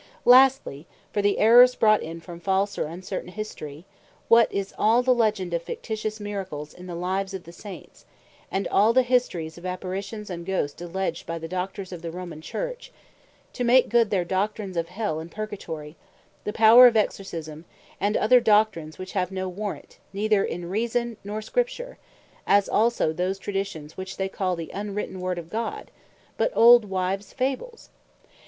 Errors From Tradition Lastly, for the errors brought in from false, or uncertain History, what is all the Legend of fictitious Miracles, in the lives of the Saints; and all the Histories of Apparitions, and Ghosts, alledged by the Doctors of the Romane Church, to make good their Doctrines of Hell, and purgatory, the power of Exorcisme, and other Doctrines which have no warrant, neither in Reason, nor Scripture; as also all those Traditions which they call the unwritten Word of God; but old Wives Fables?